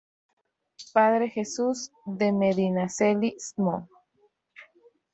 Padre Jesús de Medinaceli, Stmo.